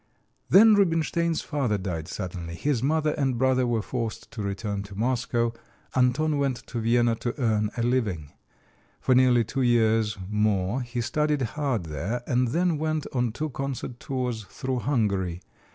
Then Rubinstein's father died suddenly. His mother and brother were forced to return to Moscow. Anton went to Vienna to earn a living. For nearly two years more he studied hard there, and then went on two concert tours through Hungary.